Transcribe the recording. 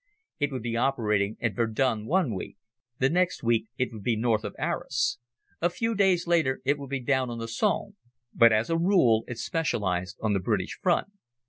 It would be operating at Verdun one week. The next week it would be north of Arras. A few days later it would be down on the Somme. But as a rule it specialized on the British front.